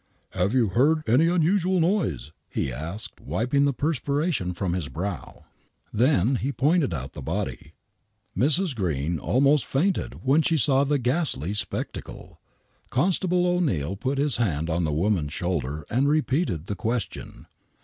" Have you heard any unusual noise ?" he asked, wiping the perspiration from his brow. W/ i »" THE WHITECHAPEL MURDERS 27 Then he pointed out the body. Mrs. Green ahnost fainted when she saw the ghastly spectacle. Constable O'Keill put his hand on the woman'3 shoulder and repeated the question.